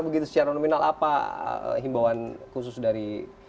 begitu secara nominal apa himbauan khusus dari